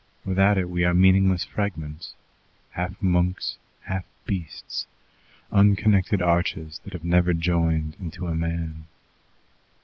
Without it we are meaningless fragments, half monks, half beasts, unconnected arches that have never joined into a man.